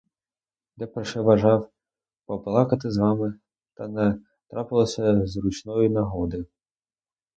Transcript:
Де про що бажав побалакати з вами, та не трапилося зручної нагоди.